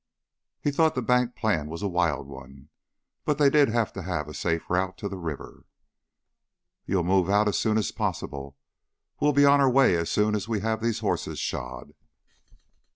He thought the bank plan was a wild one, but they did have to have a safe route to the river. "You'll move out as soon as possible. We'll be on our way as soon as we have these horses shod."